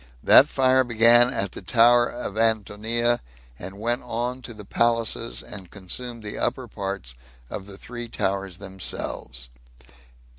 That fire began at the tower of Antonia, and went on to the palaces, and consumed the upper parts of the three towers themselves.